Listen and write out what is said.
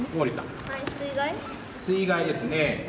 「水害」ですね。